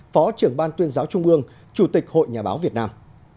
phó trưởng ban tuyên giáo trung ương chủ tịch hội nhà báo việt nam